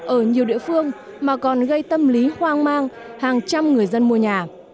ở nhiều địa phương mà còn gây tâm lý hoang mang hàng trăm người dân mua nhà